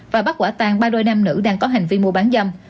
và bắt quả tang ba đôi nam nữ đang có hành vi mua bán dâm